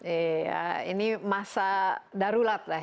iya ini masa darurat lah